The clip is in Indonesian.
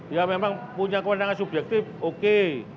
ya memang punya kewenangan subjektif oke